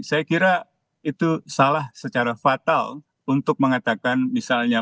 saya kira itu salah secara fatal untuk mengatakan misalnya